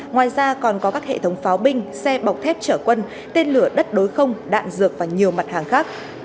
ngoài ra còn có các hệ thống pháo binh xe bọc thép trở quân tên lửa đất đối không đạn dược và nhiều mặt hàng khác